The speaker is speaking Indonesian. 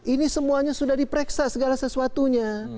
ini semuanya sudah diperiksa segala sesuatunya